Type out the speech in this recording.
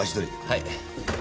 はい。